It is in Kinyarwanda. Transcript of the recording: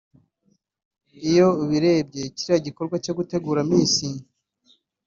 Iyo ubirebye kiriya gikorwa cyo gutegura Miss